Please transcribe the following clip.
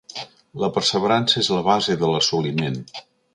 La perseverança és la base de l'assoliment.